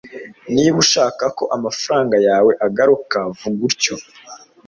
Niba ushaka ko amafaranga yawe agaruka vuga utyo